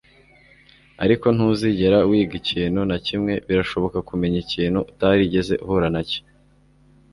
ariko ntuzigera wiga ikintu na kimwe birashoboka kumenya ikintu utarigeze uhura nacyo